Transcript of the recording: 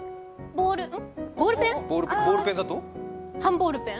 ボールペン？